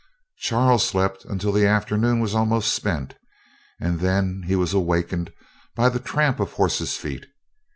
Charles slept until the afternoon was almost spent, and then he was awakened by the tramp of horses feet.